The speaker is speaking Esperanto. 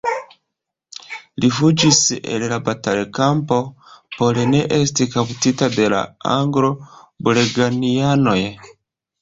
Li fuĝis el la batalkampo por ne esti kaptita de la anglo-burgonjanoj.